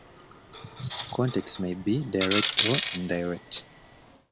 Contexts may be "direct" or "indirect".